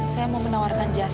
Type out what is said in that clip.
saya mau menawarkan jasa